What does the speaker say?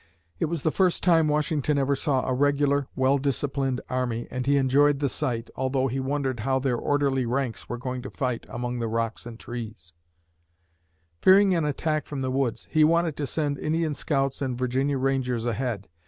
It was the first time Washington ever saw a regular, well disciplined army and he enjoyed the sight, although he wondered how their orderly ranks were going to fight among the rocks and trees. Fearing an attack from the woods, he wanted to send Indian scouts and Virginia rangers ahead.